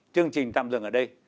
chương trình tạm dừng ở đây